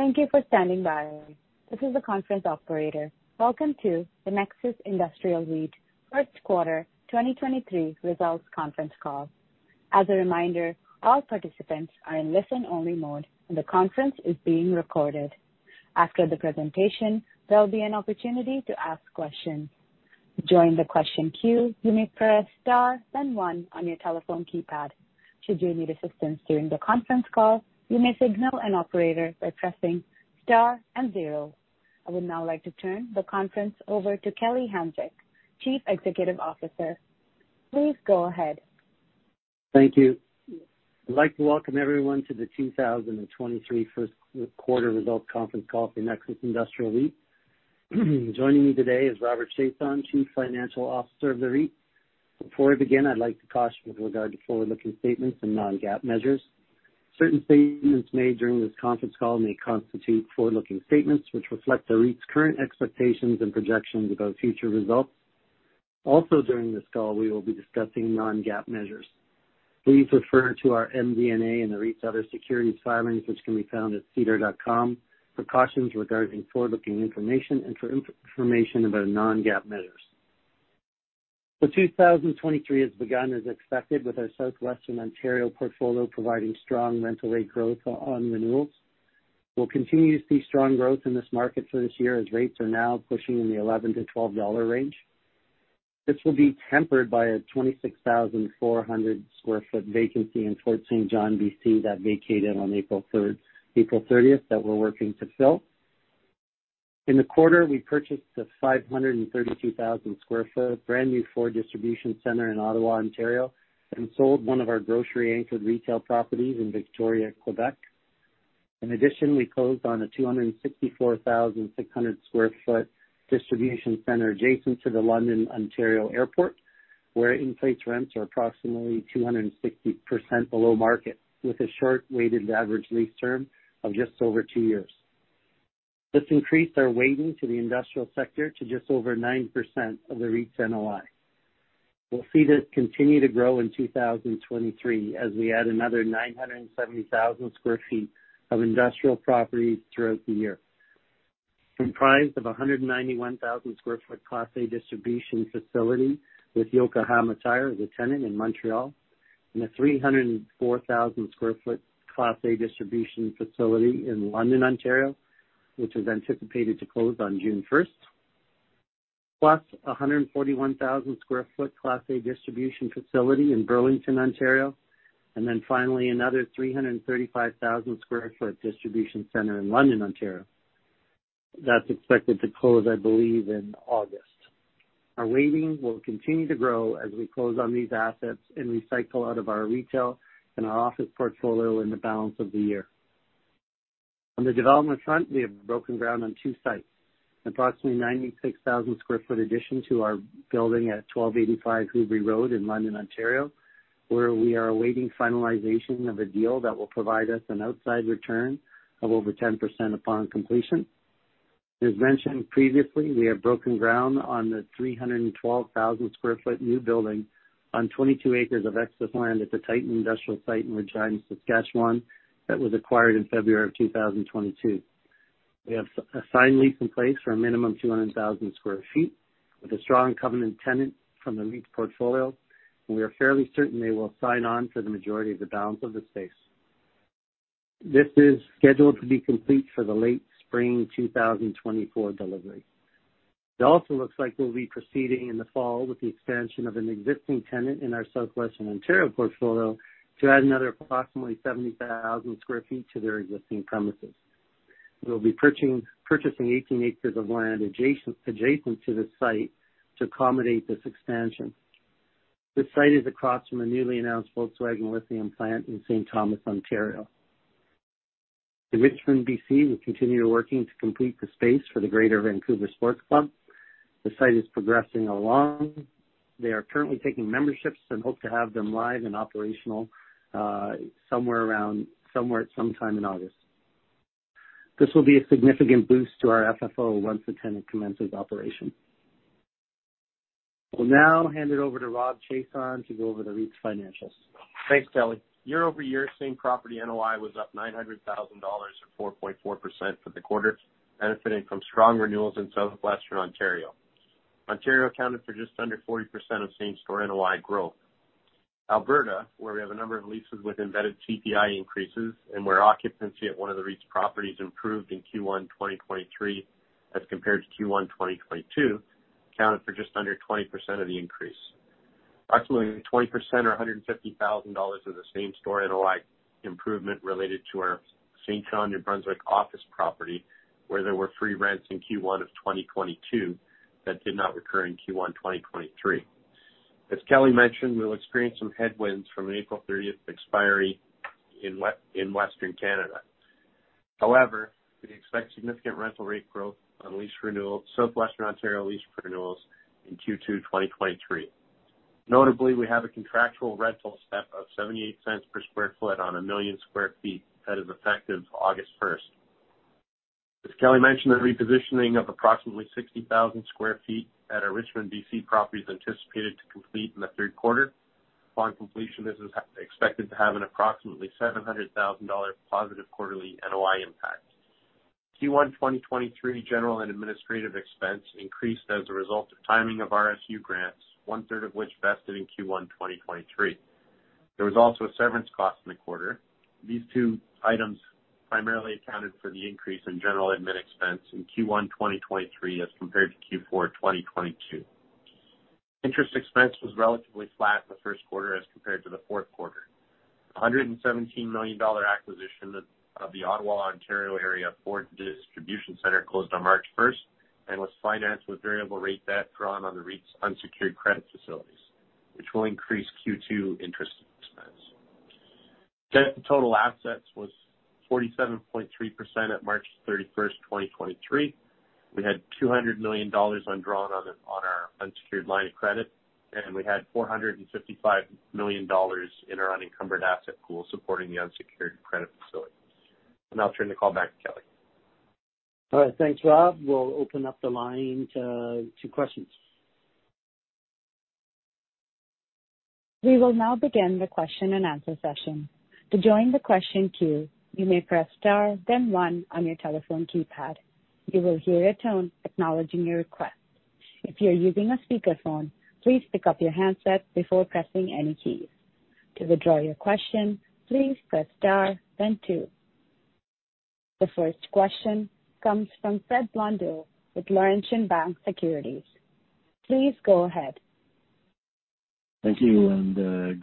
Thank you for standing by. This is the conference operator. Welcome to the Nexus Industrial REIT first quarter 2023 results conference call. As a reminder, all participants are in listen-only mode, and the conference is being recorded. After the presentation, there will be an opportunity to ask questions. To join the question queue, you may press star then one on your telephone keypad. Should you need assistance during the conference call, you may signal an operator by pressing star and zero. I would now like to turn the conference over to Kelly Hanczyk, Chief Executive Officer. Please go ahead. Thank you. I'd like to welcome everyone to the 2023 1st quarter results conference call for Nexus Industrial REIT. Joining me today is Robert Chiasson, Chief Financial Officer of the REIT. Before we begin, I'd like to caution with regard to forward-looking statements and non-GAAP measures. Certain statements made during this conference call may constitute forward-looking statements which reflect the REIT's current expectations and projections about future results. Also during this call, we will be discussing non-GAAP measures. Please refer to our MD&A and the REIT's other securities filings, which can be found at SEDAR.com, for cautions regarding forward-looking information and for information about non-GAAP measures. 2023 has begun as expected with our Southwestern Ontario portfolio providing strong rental rate growth on renewals. We'll continue to see strong growth in this market for this year as rates are now pushing in the $11-$12 range. This will be tempered by a 26,400 sq ft vacancy in Fort St. John BC that vacated on April 30th that we're working to fill. In the quarter, we purchased a 532,000 sq ft brand new Ford distribution center in Ottawa, Ontario, and sold one of our grocery anchored retail properties in Victoriaville, Quebec. In addition, we closed on a 264,600 sq ft distribution center adjacent to the London, Ontario Airport, where in-place rents are approximately 260% below market with a short weighted average lease term of just over two years. This increased our weighting to the industrial sector to just over 9% of the REIT's NOI. We'll see this continue to grow in 2023 as we add another 970,000 sq ft of industrial properties throughout the year, comprised of 191,000 sq ft Class A distribution facility with Yokohama Tire as a tenant in Montreal, and a 304,000 sq ft Class A distribution facility in London, Ontario, which is anticipated to close on June 1st, plus 141,000 sq ft Class A distribution facility in Burlington, Ontario. Finally, another 335,000 sq ft distribution center in London, Ontario. That's expected to close, I believe, in August. Our weighting will continue to grow as we close on these assets and recycle out of our retail and our office portfolio in the balance of the year. On the development front, we have broken ground on two sites, approximately 96,000 sq ft addition to our building at 1285 Hubrey Road in London, Ontario, where we are awaiting finalization of a deal that will provide us an outside return of over 10% upon completion. As mentioned previously, we have broken ground on the 312,000 sq ft new building on 22 acres of excess land at the Titan industrial site in Regina, Saskatchewan, that was acquired in February 2022. We have a signed lease in place for a minimum 200,000 sq ft with a strong covenant tenant from the REIT's portfolio. We are fairly certain they will sign on for the majority of the balance of the space. This is scheduled to be complete for the late spring 2024 delivery. Also looks like we'll be proceeding in the fall with the expansion of an existing tenant in our Southwestern Ontario portfolio to add another approximately 70,000 sq ft to their existing premises. We'll be purchasing 18 acres of land adjacent to this site to accommodate this expansion. This site is across from a newly announced Volkswagen lithium plant in St. Thomas, Ontario. In Richmond, BC, we continue working to complete the space for the Greater Vancouver Sports Club. The site is progressing along. They are currently taking memberships and hope to have them live and operational, somewhere at some time in August. This will be a significant boost to our FFO once the tenant commences operation. I will now hand it over to Rob Chiasson to go over the REIT's financials. Thanks, Kelly. Year-over-year, Same Property NOI was up 900,000 dollars, or 4.4%, for the quarter, benefiting from strong renewals in Southwestern Ontario. Ontario accounted for just under 40% of same store NOI growth. Alberta, where we have a number of leases with embedded CPI increases and where occupancy at one of the REIT's properties improved in Q1 2023 as compared to Q1 2022, accounted for just under 20% of the increase. Approximately 20% or 150,000 dollars of the Same Property NOI improvement related to our Saint John, New Brunswick office property where there were free rents in Q1 2022 that did not recur in Q1 2023. As Kelly mentioned, we'll experience some headwinds from an April 30th expiry in Western Canada. We expect significant rental rate growth on lease renewals, Southwestern Ontario lease renewals in Q2 2023. Notably, we have a contractual rental step of 0.78 per sq ft on 1 million sq ft that is effective August first. As Kelly mentioned, the repositioning of approximately 60,000 sq ft at our Richmond, BC property is anticipated to complete in the third quarter. Upon completion, this is expected to have an approximately 700,000 dollar positive quarterly NOI impact. Q1 2023 general and administrative expense increased as a result of timing of RSU grants, one-third of which vested in Q1 2023. There was also a severance cost in the quarter. These two items primarily accounted for the increase in general admin expense in Q1 2023 as compared to Q4 2022. Interest expense was relatively flat in the first quarter as compared to the fourth quarter. 117 million dollar acquisition of the Ottawa, Ontario area Ford distribution center closed on March 1st and was financed with variable rate debt drawn on the REIT's unsecured credit facilities, which will increase Q2 interest expense. Debt to total assets was 47.3% at March 31st, 2023. We had 200 million dollars undrawn on our unsecured line of credit, and we had 455 million dollars in our unencumbered asset pool supporting the unsecured credit facilities. I'll turn the call back to Kelly. All right, thanks, Rob. We'll open up the line to questions. We will now begin the question-and-answer session. To join the question queue, you may press star then one on your telephone keypad. You will hear a tone acknowledging your request. If you're using a speakerphone, please pick up your handset before pressing any keys. To withdraw your question, please press star then two. The first question comes from Fred Blondeau with Laurentian Bank Securities. Please go ahead. Thank you.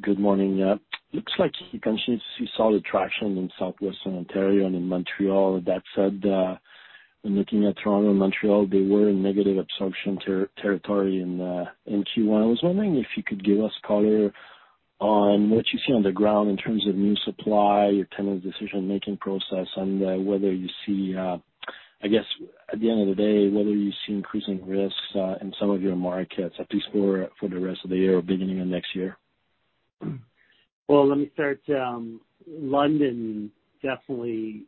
Good morning. Looks like you continue to see solid traction in Southwestern Ontario and in Montreal. That said, when looking at Toronto and Montreal, they were in negative absorption territory in Q1. I was wondering if you could give us color on what you see on the ground in terms of new supply, your tenant decision-making process and whether you see, I guess at the end of the day, whether you see increasing risks in some of your markets, at least for the rest of the year or beginning of next year? Let me start, London, definitely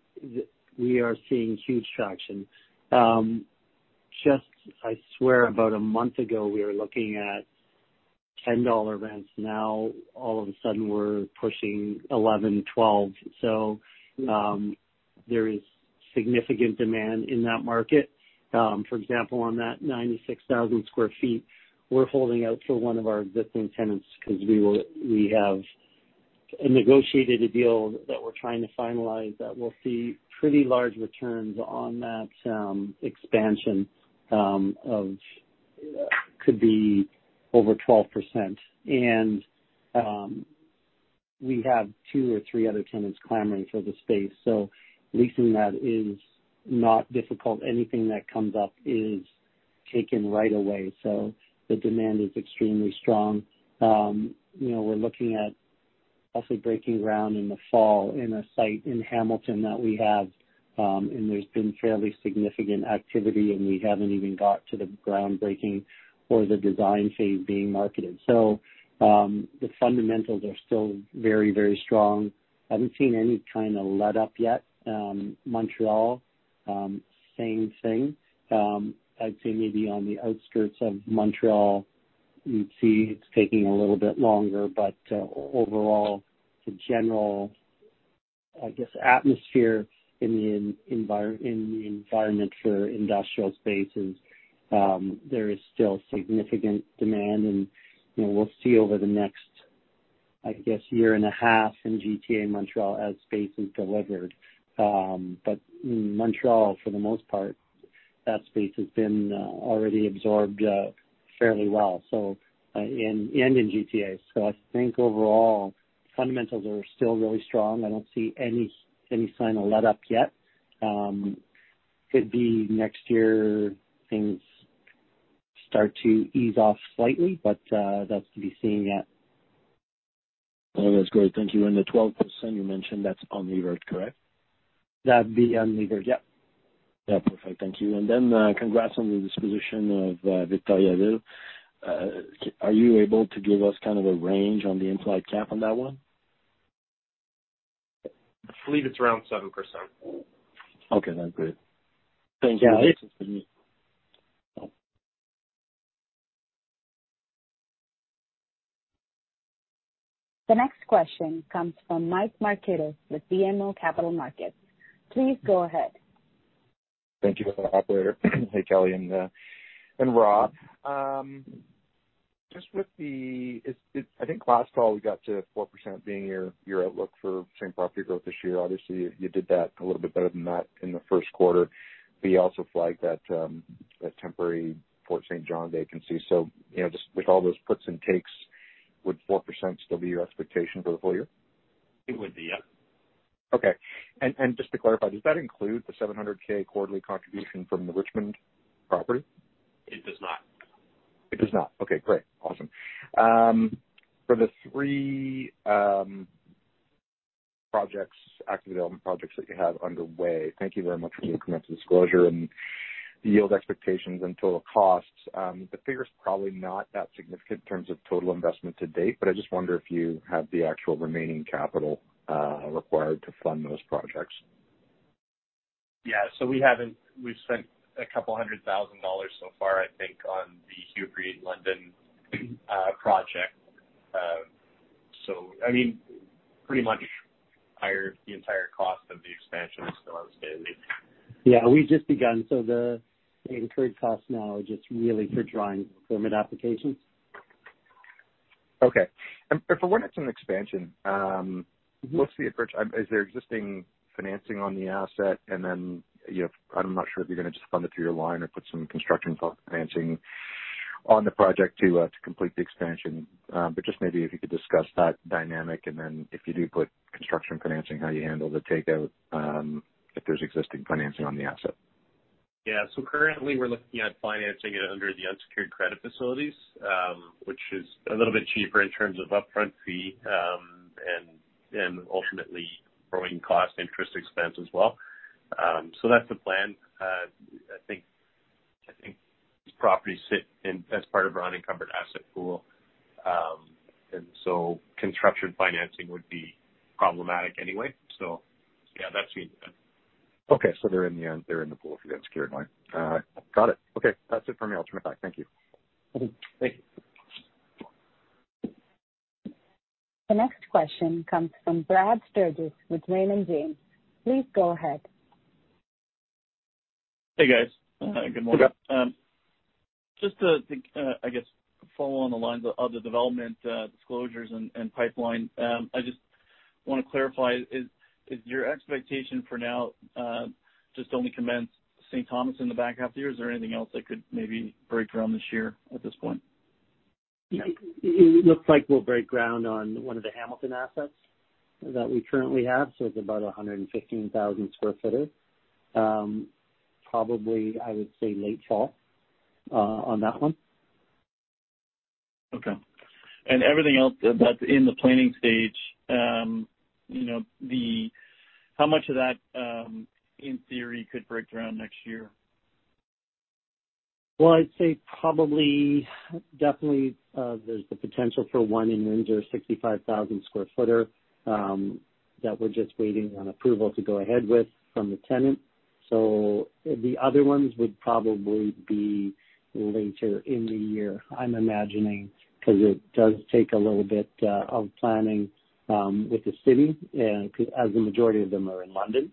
we are seeing huge traction. Just, I swear about a month ago, we were looking at $10 rents. All of a sudden we're pushing $11, $12. There is significant demand in that market. For example, on that 96,000 sq ft, we're holding out for one of our existing tenants 'cause we have negotiated a deal that we're trying to finalize that will see pretty large returns on that expansion. Could be over 12%. We have two or three other tenants clamoring for the space, leasing that is not difficult. Anything that comes up is taken right away, the demand is extremely strong. You know, we're looking at also breaking ground in the fall in a site in Hamilton that we have. There's been fairly significant activity, and we haven't even got to the groundbreaking or the design phase being marketed. The fundamentals are still very, very strong. Haven't seen any kind of letup yet. Montreal, same thing. I'd say maybe on the outskirts of Montreal, you'd see it's taking a little bit longer. Overall, the general, I guess, atmosphere in the environment for industrial space is there is still significant demand. You know, we'll see over the next, I guess, 1.5 years in GTA and Montreal as space is delivered. Montreal, for the most part, that space has been already absorbed fairly well in GTA. I think overall fundamentals are still really strong. I don't see any sign of letup yet. Could be next year things start to ease off slightly, but that's to be seen yet. No, that's great. Thank you. The 12% you mentioned, that's unlevered, correct? That'd be unlevered, yep. Yeah. Perfect. Thank you. Congrats on the disposition of Victoriaville. Are you able to give us kind of a range on the implied cap on that one? I believe it's around 7%. Okay. That's great. Thank you. Yeah. The next question comes from Michael Markidis with BMO Capital Markets. Please go ahead. Thank you, operator. Hey, Kelly and Rob. Just with the I think last call we got to 4% being your outlook for same property growth this year. Obviously, you did that a little bit better than that in the first quarter, but you also flagged that temporary Saint John vacancy. You know, just with all those puts and takes, would 4% still be your expectation for the full year? It would be, yep. Okay. Just to clarify, does that include the 700,000 quarterly contribution from the Richmond property? It does not. It does not. Okay, great. Awesome. For the three projects, active development projects that you have underway, thank you very much for the incremental disclosure and the yield expectations until the costs, the figure's probably not that significant in terms of total investment to date, but I just wonder if you have the actual remaining capital required to fund those projects. We've spent 200,000 dollars so far, I think, on the Hubrey Road London project. I mean, pretty much higher the entire cost of the expansion is still outstanding. Yeah, we've just begun, the incurred cost now is just really for drawing permit applications. Okay. For Wellington expansion. What's the approach? Is there existing financing on the asset? You know, I'm not sure if you're gonna just fund it through your line or put some construction cost financing on the project to complete the expansion. Just maybe if you could discuss that dynamic, and then if you do put construction financing, how you handle the takeout, if there's existing financing on the asset. Currently we're looking at financing it under the unsecured credit facilities, which is a little bit cheaper in terms of upfront fee, and ultimately borrowing cost, interest expense as well. That's the plan. I think these properties sit in as part of our unencumbered asset pool. Construction financing would be problematic anyway. Yeah, that's being done. Okay. They're in the pool for the unsecured line. Got it. Okay. That's it for me. I'll turn it back. Thank you. Thank you. The next question comes from Brad Sturges with Raymond James. Please go ahead. Hey, guys. good morning. Good luck. Just to, I guess follow on the lines of the development disclosures and pipeline, I just wanna clarify. Is your expectation for now, just only commence St. Thomas in the back half of the year? Is there anything else that could maybe break ground this year at this point? It looks like we'll break ground on one of the Hamilton assets that we currently have. It's about 115,000 square footer. Probably, I would say late fall on that one. Okay. everything else that's in the planning stage, you know, How much of that, in theory could break ground next year? I'd say probably definitely, there's the potential for one in Windsor, 65,000 sq ft, that we're just waiting on approval to go ahead with from the tenant. The other ones would probably be later in the year, I'm imagining, 'cause it does take a little bit of planning with the city and as the majority of them are in London,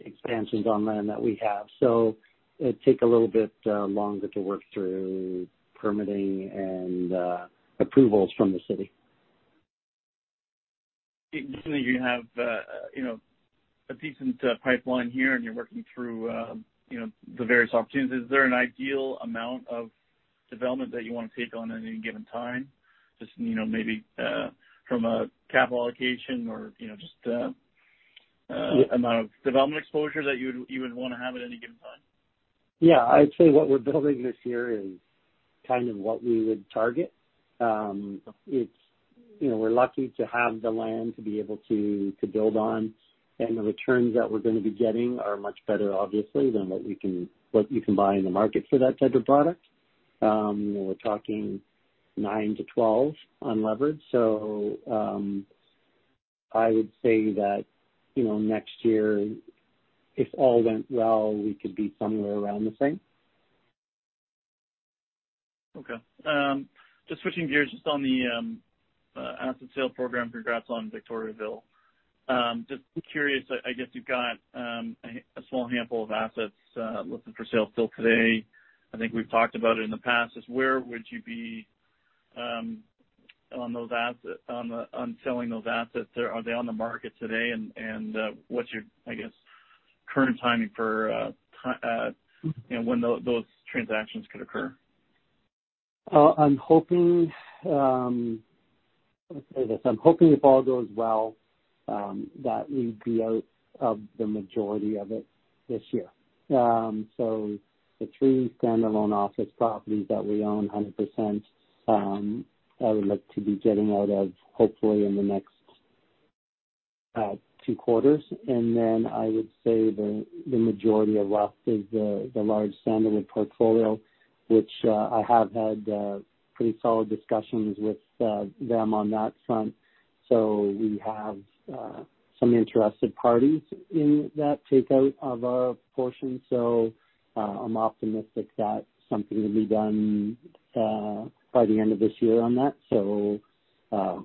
expansions on land that we have. It take a little bit longer to work through permitting and approvals from the city. It seems like you have, you know, a decent pipeline here, and you're working through, you know, the various opportunities. Is there an ideal amount of development that you wanna take on at any given time, just, you know, maybe, from a capital allocation or, you know, just amount of development exposure that you would wanna have at any given time? Yeah. I'd say what we're building this year is kind of what we would target. It's, you know, we're lucky to have the land to be able to build on, and the returns that we're gonna be getting are much better obviously than what you can buy in the market for that type of product. We're talking 9%-12% unlevered. I would say that, you know, next year, if all went well, we could be somewhere around the same. Okay. Just switching gears, just on the asset sale program, congrats on Victoriaville. Just curious, I guess you've got a small handful of assets looking for sale still today. I think we've talked about it in the past, is where would you be on those selling those assets? Are they on the market today? What's your, I guess, current timing for, you know, when those transactions could occur? I'm hoping, let me say this. I'm hoping if all goes well, that we'd be out of the majority of it this year. The three standalone office properties that we own 100%, I would look to be getting out of hopefully in the next two quarters. Then I would say the majority of left is the large Sandalwood portfolio, which I have had pretty solid discussions with them on that front. We have some interested parties in that takeout of our portion. I'm optimistic that something will be done by the end of this year on that.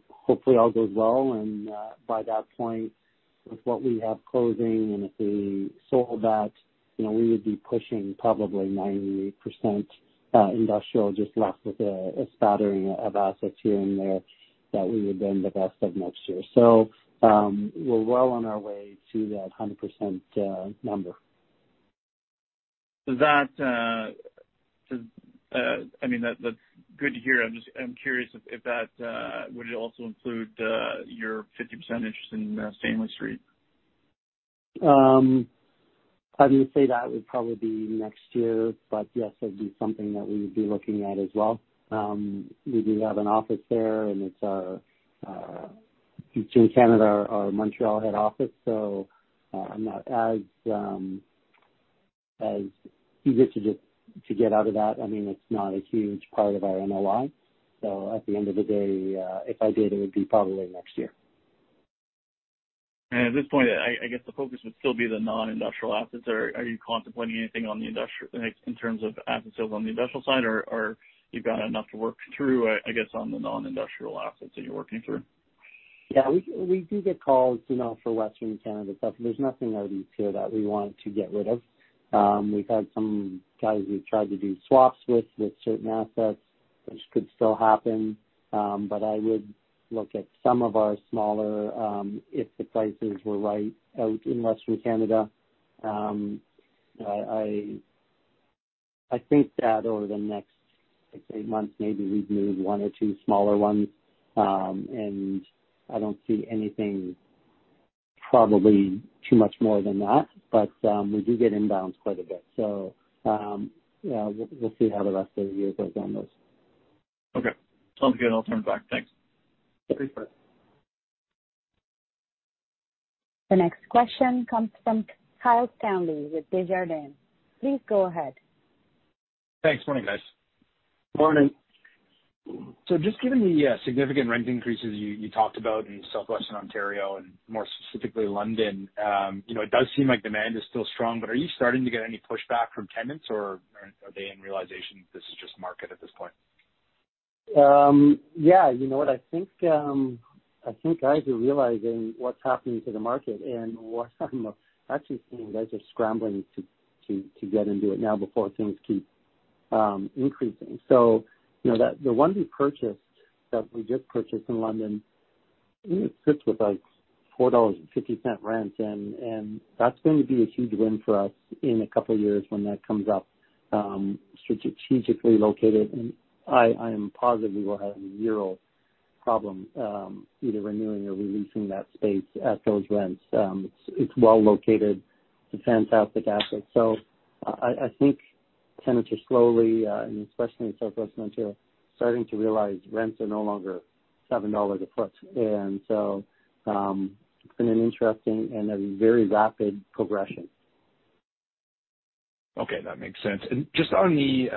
Hopefully all goes well and by that point with what we have closing and if we sold that, you know, we would be pushing probably 98% industrial just left with a spattering of assets here and there that we would then the rest of next year. We're well on our way to that 100% number. That, I mean that's good to hear. I'm curious if that would it also include your 50% interest in Stanley Street? I would say that would probably be next year, but yes, that'd be something that we would be looking at as well. We do have an office there, and it's our Montreal head office. I'm not as easy to just to get out of that. I mean, it's not a huge part of our NOI. At the end of the day, if I did, it would be probably next year. At this point, I guess the focus would still be the non-industrial assets or are you contemplating anything on the industrial in terms of asset sales on the industrial side or you've got enough to work through, I guess, on the non-industrial assets that you're working through? Yeah, we do get calls, you know, for Western Canada stuff. There's nothing out east here that we want to get rid of. We've had some guys we've tried to do swaps with certain assets, which could still happen. I would look at some of our smaller, if the prices were right out in Western Canada. I think that over the next six, eight months, maybe we'd move one or two smaller ones. I don't see anything probably too much more than that. We do get inbounds quite a bit, so yeah, we'll see how the rest of the year goes on this. Okay. Sounds good. I'll turn it back. Thanks. Okay. Bye. The next question comes from Kyle Stanley with Desjardins. Please go ahead. Thanks. Morning, guys. Morning. Just given the significant rent increases you talked about in Southwestern Ontario and more specifically London, you know, it does seem like demand is still strong, but are you starting to get any pushback from tenants, or are they in realization this is just market at this point? Yeah. You know what? I think I think guys are realizing what's happening to the market and what I'm actually seeing, guys are scrambling to get into it now before things keep increasing. You know, the one we purchased, that we just purchased in London, it sits with a $4.50 rent, and that's going to be a huge win for us in a couple of years when that comes up, strategically located. I am positive we'll have zero problem either renewing or releasing that space at those rents. It's, it's well located, it's a fantastic asset. I think tenants are slowly, and especially in Southwest Ontario, starting to realize rents are no longer $7 a foot. It's been an interesting and a very rapid progression. Okay, that makes sense. Just on the,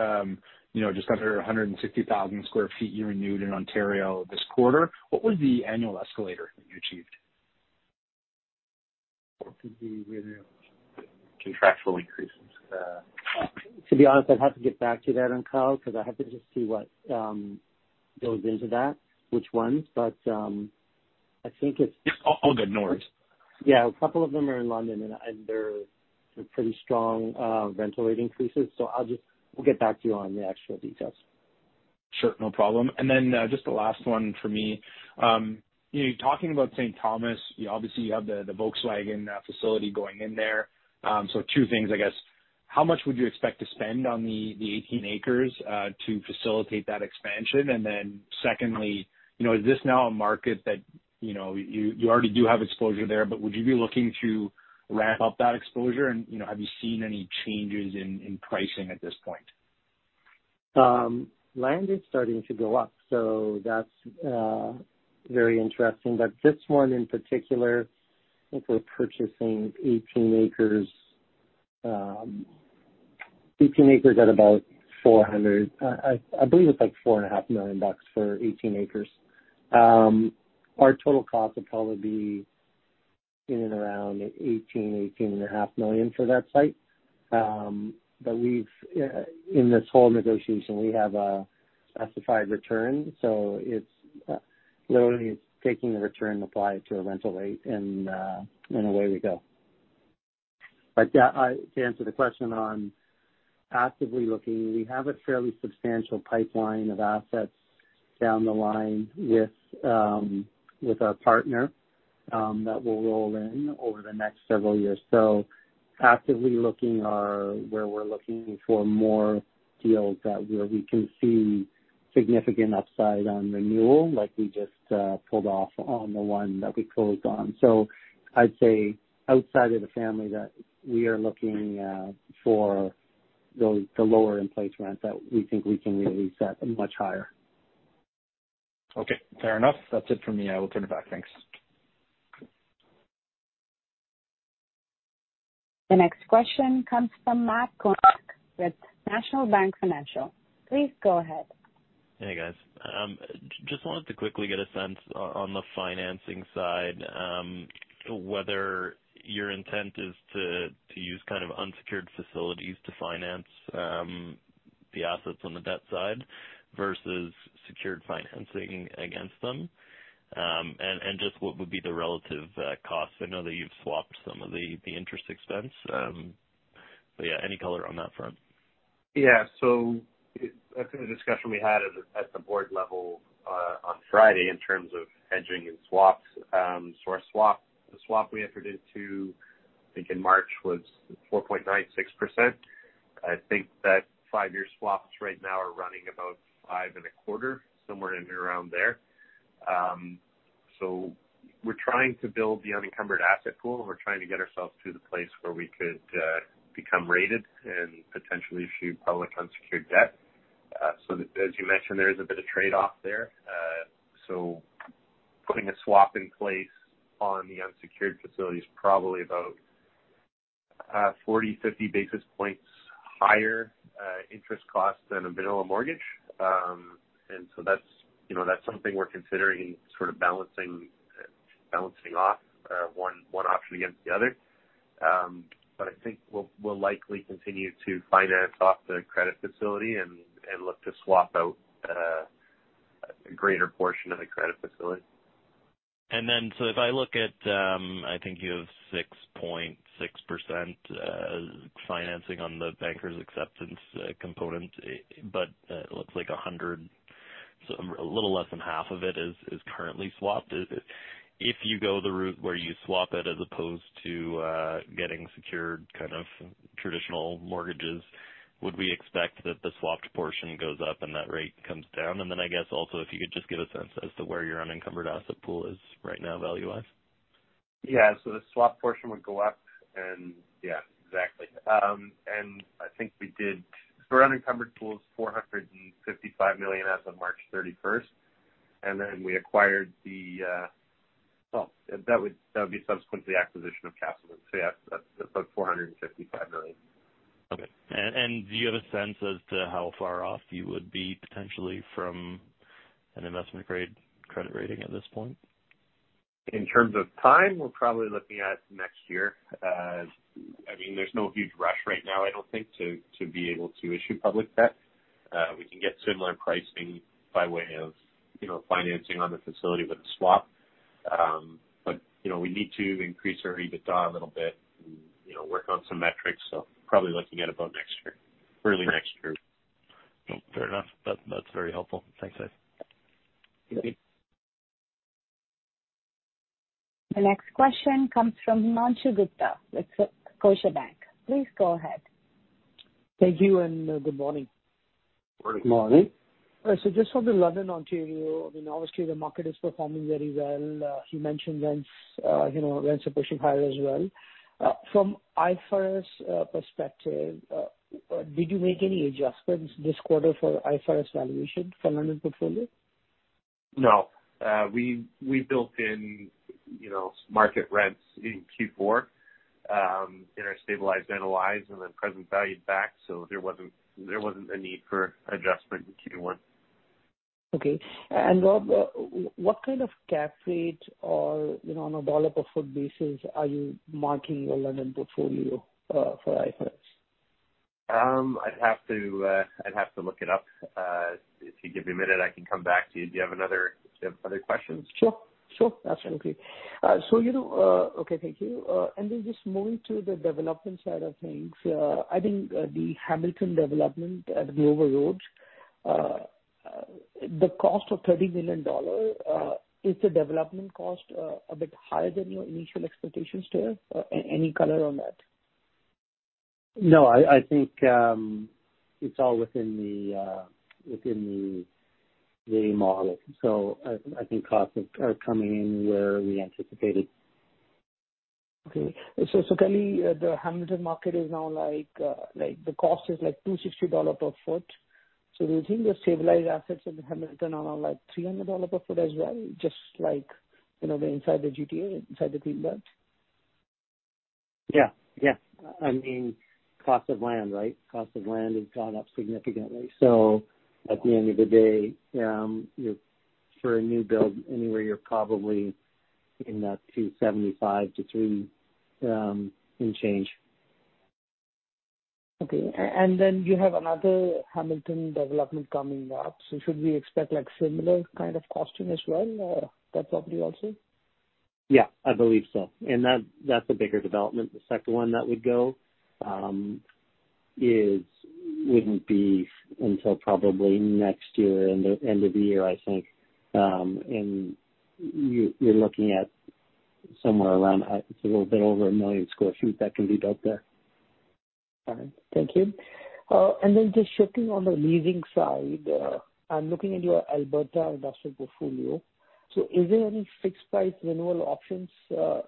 you know, just under 160,000 sq ft you renewed in Ontario this quarter, what was the annual escalator that you achieved? What was the renewal? Contractual increases. To be honest, I'd have to get back to you on that one, Kyle, because I have to just see what goes into that, which ones. All good. No worries. Yeah. A couple of them are in London, and they're pretty strong rental rate increases. We'll get back to you on the actual details. Sure. No problem. Just the last one for me. You know, talking about St. Thomas, you obviously have the Volkswagen facility going in there. Two things, I guess, how much would you expect to spend on the 18 acres to facilitate that expansion? Secondly, you know, is this now a market that, you know, you already do have exposure there, but would you be looking to ramp up that exposure? You know, have you seen any changes in pricing at this point? Land is starting to go up, so that's very interesting. This one in particular, I think we're purchasing 18 acres. 18 acres at about 400. I believe it's like 4.5 million bucks for 18 acres. Our total cost would probably be in and around 18.5 million for that site. We've in this whole negotiation, we have a specified return, so it's literally taking the return applied to a rental rate and away we go. Yeah, to answer the question on actively looking, we have a fairly substantial pipeline of assets down the line with a partner that will roll in over the next several years. Actively looking are where we're looking for more deals that where we can see significant upside on renewal, like we just pulled off on the one that we closed on. I'd say outside of the family that we are looking for the lower in place rents that we think we can really set much higher. Okay, fair enough. That's it from me. I will turn it back. Thanks. The next question comes from Matt Kornack with National Bank Financial. Please go ahead. Hey, guys. Just wanted to quickly get a sense on the financing side, whether your intent is to use kind of unsecured facilities to finance the assets on the debt side versus secured financing against them. Just what would be the relative cost? I know that you've swapped some of the interest expense, but yeah, any color on that front? I think the discussion we had at the board level on Friday in terms of hedging and swaps, our swap, the swap we entered into, I think in March, was 4.96%. I think that five year swaps right now are running about 5.25%, somewhere in and around there. We're trying to build the unencumbered asset pool. We're trying to get ourselves to the place where we could become rated and potentially issue public unsecured debt. As you mentioned, there is a bit of trade-off there. Putting a swap in place on the unsecured facility is probably about 40-50 basis points higher interest cost than a vanilla mortgage. That's, you know, that's something we're considering sort of balancing balancing off one option against the other. I think we'll likely continue to finance off the credit facility and look to swap out a greater portion of the credit facility. If I look at, I think you have 6.6% financing on the Banker's Acceptance component, but it looks like 100, so a little less than half of it is currently swapped. If you go the route where you swap it as opposed to getting secured kind of traditional mortgages, would we expect that the swapped portion goes up and that rate comes down? I guess also if you could just give a sense as to where your unencumbered asset pool is right now value-wise. Yeah. The swap portion would go up and yeah, exactly. I think we did. Our unencumbered pool is 455 million as of March 31st. That would be subsequent to the acquisition of Casselman. Yeah, that's about 455 million. Okay. Do you have a sense as to how far off you would be potentially from an investment grade credit rating at this point? In terms of time, we're probably looking at next year. I mean, there's no huge rush right now, I don't think, to be able to issue public debt. We can get similar pricing by way of, you know, financing on the facility with a swap. You know, we need to increase our EBITDA a little bit and, you know, work on some metrics. Probably looking at about next year, early next year. Fair enough. That's very helpful. Thanks, guys. Okay. The next question comes from Himanshu Gupta with Scotiabank. Please go ahead. Thank you and, good morning. Morning. Morning. Just from the London, Ontario, I mean obviously the market is performing very well. You mentioned rents, you know, rents are pushing higher as well. From IFRS perspective, did you make any adjustments this quarter for IFRS valuation for London portfolio? No. We built in, you know, market rents in Q4, in our stabilized analyze and then present valued back. There wasn't a need for adjustment in Q1. Okay. Rob, what kind of cap rate or, you know, on a CAD per foot basis are you marking your London portfolio for IFRS? I'd have to look it up. If you give me a minute, I can come back to you. Do you have other questions? Sure. Sure, absolutely. You know, okay, thank you. Just moving to the development side of things, I think the Hamilton development at the Overlord, the cost of 30 million dollars is the development cost a bit higher than your initial expectations there? Any color on that? No, I think, it's all within the model. I think costs are coming in where we anticipated. Okay. Currently, the Hamilton market is now like the cost is like 260 dollar per foot. Do you think the stabilized assets of Hamilton are now like 300 dollar per foot as well, just like, you know, the inside the GTA, inside the Greenbelt? Yeah. Yeah. I mean, cost of land, right? Cost of land has gone up significantly. At the end of the day, for a new build anywhere, you're probably in that 275-3, and change. Okay. Then you have another Hamilton development coming up. Should we expect like similar kind of costing as well, that property also? Yeah, I believe so. That, that's a bigger development. The second one that would go, wouldn't be until probably next year, end of, end of the year, I think. You're, you're looking at somewhere around It's a little bit over 1 million sq ft that can be built there. All right. Thank you. Then just shifting on the leasing side, I'm looking at your Alberta industrial portfolio. Is there any fixed price renewal options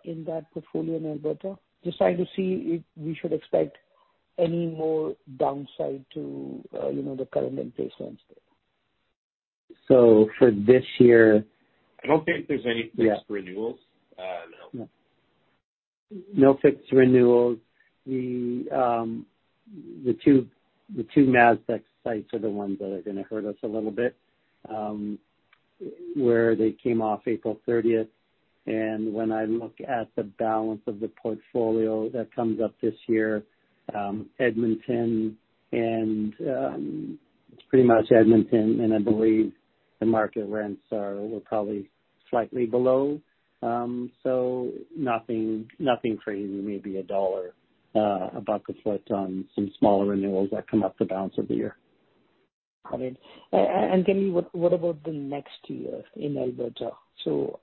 in that portfolio in Alberta? Just trying to see if we should expect any more downside to, you know, the current lease rents there. For this year. I don't think there's any fixed renewals. No. No fixed renewals. The two Mastech sites are the ones that are gonna hurt us a little bit, where they came off April thirtieth. When I look at the balance of the portfolio that comes up this year, Edmonton and, pretty much Edmonton and I believe the market rents were probably slightly below. Nothing, nothing crazy, maybe CAD 1, CAD 1 a foot on some smaller renewals that come up the balance of the year. Got it. Tell me what about the next year in Alberta?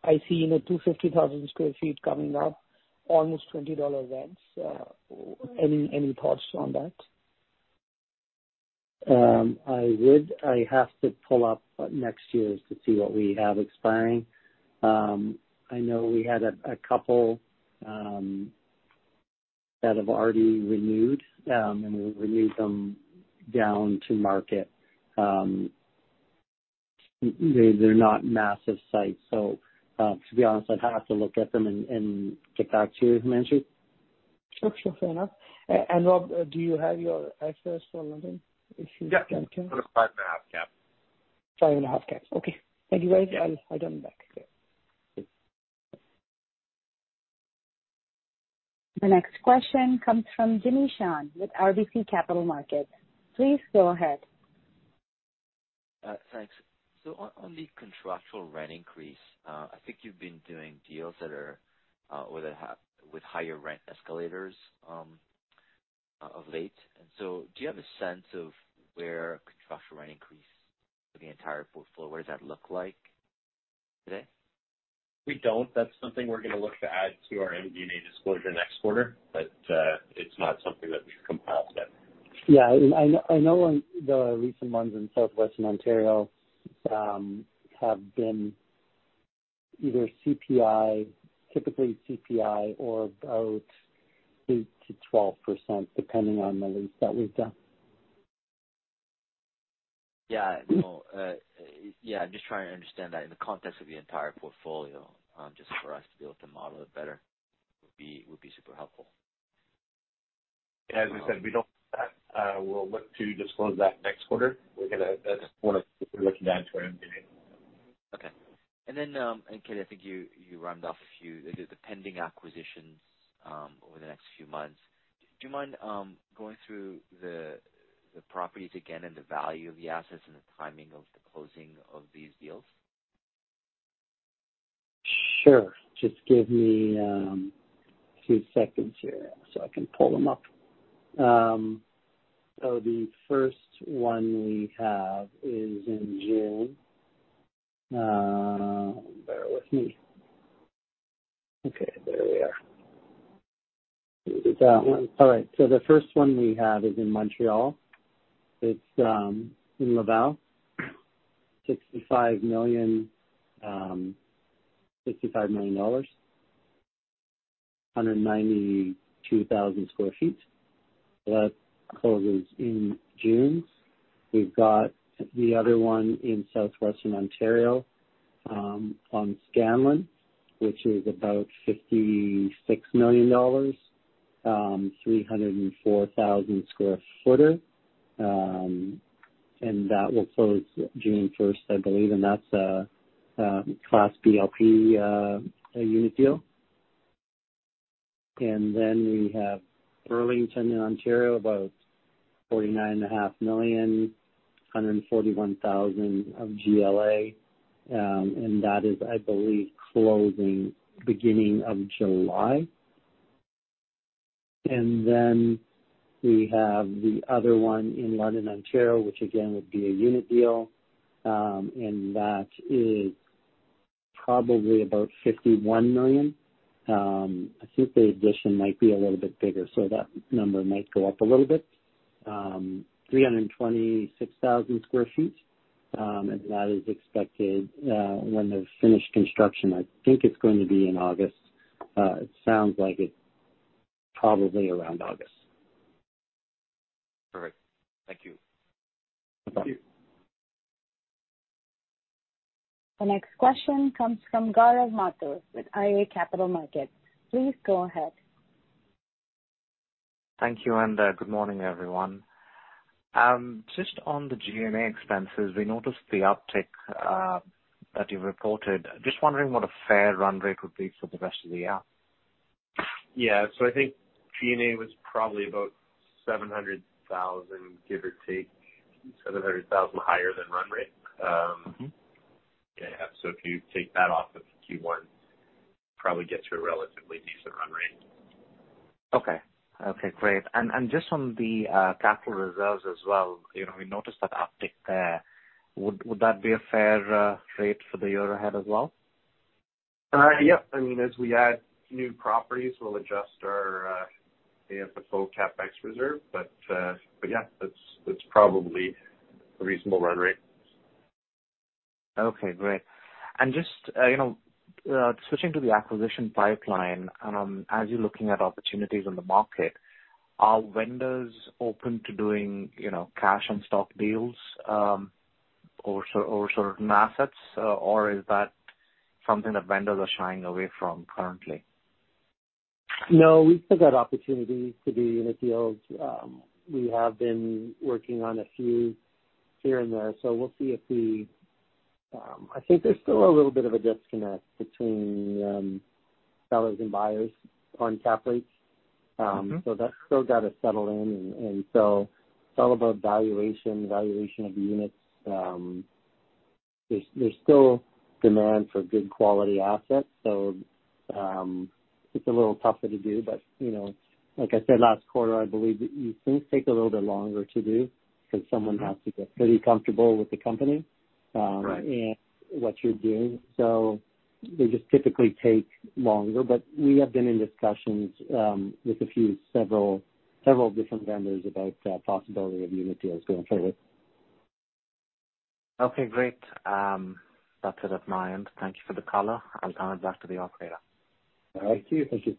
I see, you know, 250,000 sq ft coming up, almost $20 rents. Any thoughts on that? I have to pull up next year's to see what we have expiring. I know we had a couple that have already renewed, and we've renewed them down to market. They're not massive sites. To be honest, I'd have to look at them and get back to you, Himanshu. Sure, sure, fair enough. Rob, do you have your excess for London if you can? Yeah. About 5.5 cap. 5.5 cap. Okay. Thank you, guys. I'll get back. Yeah. The next question comes from Jimmy Shan with RBC Capital Markets. Please go ahead. Thanks. On the contractual rent increase, I think you've been doing deals that are, or that have with higher rent escalators, of late. Do you have a sense of where contractual rent increase for the entire portfolio, what does that look like today? We don't. That's something we're gonna look to add to our MD&A disclosure next quarter. It's not something that we've compiled yet. I know on the recent ones in Southwestern Ontario have been either CPI, typically CPI or about 8%-12% depending on the lease that we've done. Yeah. No. Yeah, I'm just trying to understand that in the context of the entire portfolio, just for us to be able to model it better would be super helpful. As we said, we don't have that. We'll look to disclose that next quarter. We're looking at to our MD&A. Okay. Kelly, I think you rounded off a few, the pending acquisitions over the next few months. Do you mind going through the properties again and the value of the assets and the timing of the closing of these deals? Sure. Just give me a few seconds here so I can pull them up. The first one we have is in June. Bear with me. Okay, there we are. All right, the first one we have is in Montreal. It's in Laval. $65 million, 192,000 sq ft. That closes in June. We've got the other one in Southwestern Ontario, on Scanlan, which is about $56 million, 304,000 sq ft. That will close June 1st, I believe. That's a Class B LP unit deal. Then we have Burlington in Ontario, about forty-nine and a half million, 141,000 of GLA. That is, I believe, closing beginning of July. We have the other one in London, Ontario, which again would be a unit deal. That is probably about 51 million. I think the addition might be a little bit bigger, so that number might go up a little bit. 326,000 sq ft, that is expected when they've finished construction. I think it's going to be in August. It sounds like it's probably around August. All right. Thank you. No problem. Thank you. The next question comes from Gaurav Mathur with iA Capital Markets. Please go ahead. Thank you, good morning, everyone. Just on the G&A expenses, we noticed the uptick that you reported. Just wondering what a fair run rate would be for the rest of the year? Yeah. I think G&A was probably about 700,000, give or take, 700,000 higher than run rate. Yeah. If you take that off of Q1, probably get to a relatively decent run rate. Okay. Okay, great. Just on the capital reserves as well, you know, we noticed that uptick there. Would that be a fair rate for the year ahead as well? Yep. I mean, as we add new properties, we'll adjust our AFFO CapEx reserve. Yeah, that's probably a reasonable run rate. Okay, great. Just, you know, switching to the acquisition pipeline, as you're looking at opportunities in the market, are vendors open to doing, you know, cash and stock deals, or certain assets, or is that something that vendors are shying away from currently? No, we've still got opportunities to do unit deals. We have been working on a few here and there. So we'll see if we. I think there's still a little bit of a disconnect between sellers and buyers on cap rates. So that's still gotta settle in. It's all about valuation of the units. There's still demand for good quality assets, so it's a little tougher to do. You know, like I said, last quarter, I believe these things take a little bit longer to do because someone has to get pretty comfortable with the company. Right. What you're doing. They just typically take longer. We have been in discussions with a few, several different vendors about the possibility of unit deals going forward. Okay, great. That's it on my end. Thank you for the call. I'll turn it back to the operator. All right. Thank you. Thank you.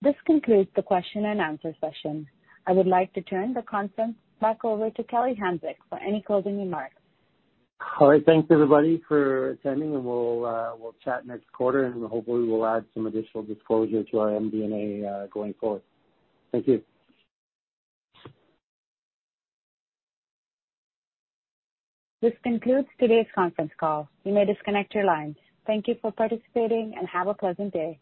This concludes the question-and-answer session. I would like to turn the conference back over to Kelly Hanczyk for any closing remarks. All right. Thanks, everybody, for attending, and we'll chat next quarter, and hopefully we'll add some additional disclosure to our MD&A, going forward. Thank you. This concludes today's conference call. You may disconnect your lines. Thank you for participating, and have a pleasant day.